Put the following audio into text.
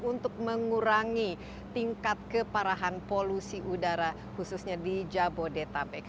untuk mengurangi tingkat keparahan polusi udara khususnya di jabodetabek